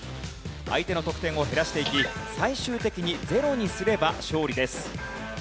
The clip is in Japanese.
相手の得点を減らしていき最終的にゼロにすれば勝利です。